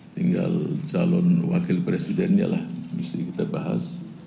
tinggal calon wakil presidennya lah mesti kita bahas